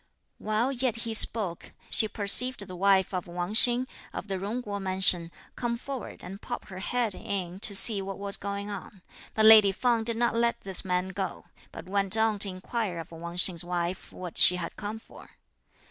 While yet he spoke, she perceived the wife of Wang Hsing, of the Jung Kuo mansion, come forward and pop her head in to see what was going on; but lady Feng did not let this man go, but went on to inquire of Wang Hsing's wife what she had come for.